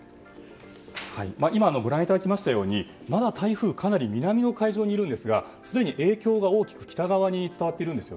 今、ご覧いただいたように台風かなり南の海上にいますがすでに影響が大きく北側に伝わっているんです。